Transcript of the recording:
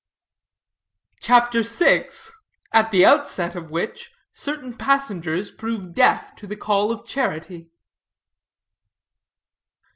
CHAPTER VI. AT THE OUTSET OF WHICH CERTAIN PASSENGERS PROVE DEAF TO THE CALL OF CHARITY.